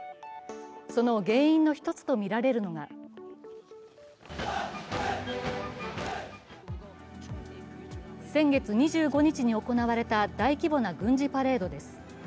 その原因の一つとみられるのが先月２５日に行われた大規模な軍事パレードです。